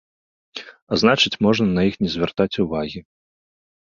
А значыць, можна на іх не звяртаць увагі.